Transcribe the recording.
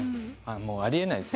もうありえないです。